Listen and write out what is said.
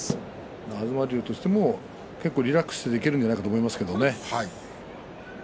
東龍としても結構リラックスしていけるんじゃないかと思いますがね。